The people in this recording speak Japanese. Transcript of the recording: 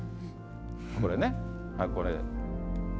これね、これ。